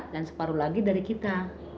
dan separuh lagi dari kita